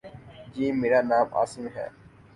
جی، میرا نام عاصم ہے